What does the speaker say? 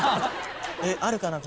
あるかな？